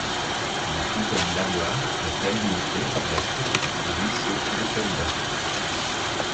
La fontaine-lavoir est alimentée par la source du ruisseau d’Autelbas.